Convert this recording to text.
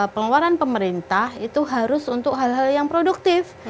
pengeluaran pemerintah itu harus untuk hal hal yang produktif